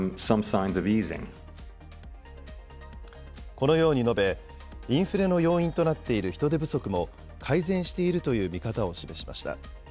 このように述べ、インフレの要因となっている人手不足も改善しているという見方を示しました。